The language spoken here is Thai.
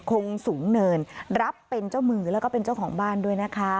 คงสูงเนินรับเป็นเจ้ามือแล้วก็เป็นเจ้าของบ้านด้วยนะคะ